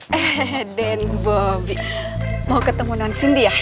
hehehe denbobi mau ketemu nonsindi ya